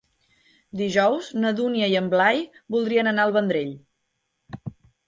Dijous na Dúnia i en Blai voldrien anar al Vendrell.